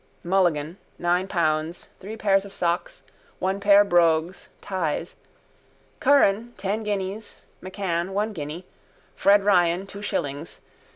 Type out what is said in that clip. Mulligan, nine pounds, three pairs of socks, one pair brogues, ties. Curran, ten guineas. McCann, one guinea. Fred Ryan, two shillings.